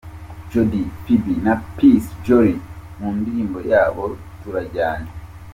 Jody Phibi na Peace Jolis mu ndirimbo yabo 'Turajyanye'.